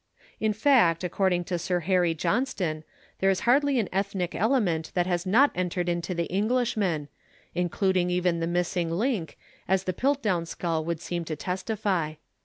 In fact, according to Sir Harry Johnston, there is hardly an ethnic element that has not entered into the Englishman, including even the missing link, as the Piltdown skull would seem to testify.